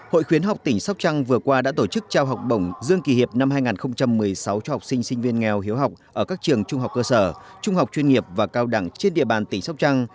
hội khuyến học tỉnh sóc trăng vừa qua đã tổ chức trao học bổng dương kỳ hiệp năm hai nghìn một mươi sáu cho học sinh sinh viên nghèo hiếu học ở các trường trung học cơ sở trung học chuyên nghiệp và cao đẳng trên địa bàn tỉnh sóc trăng